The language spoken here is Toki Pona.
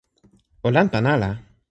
o lanpan ala!